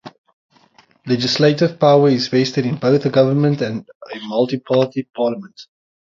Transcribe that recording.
Legislative power is vested in both the government and a multi-party parliament.